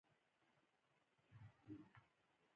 او اوبۀ به وڅښو ـ